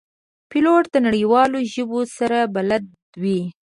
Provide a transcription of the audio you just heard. پیلوټ د نړیوالو ژبو سره بلد وي.